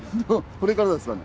これからですかね？